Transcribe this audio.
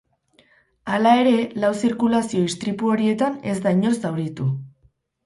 Hala ere, lau zirkulazio istripu horietan ez da inor zauritu.